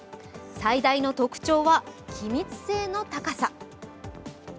最大の特徴は気密性の高さ。